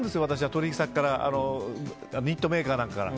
取引先からニットメーカーなんかから。